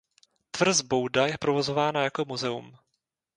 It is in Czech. Tvrz Bouda je provozována jako muzeum.